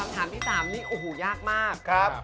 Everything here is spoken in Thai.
คำถามที่๓นี่โอ้โหยากมาก